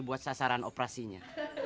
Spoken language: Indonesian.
buat sasaran operasinya